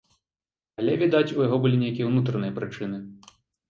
Але, відаць, у яго былі нейкія ўнутраныя прычыны.